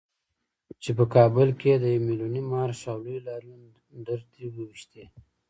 چې په کابل کې یې د يو ميليوني مارش او لوی لاريون ډرتې وويشتې.